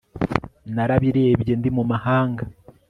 Narabirebye ndi mu mahanga